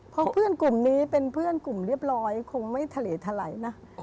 เพราะเพื่อนกลุ่มนี้เป็นเพื่อนกลุ่มเรียบร้อยคงไม่ทะเลทะไหลนะ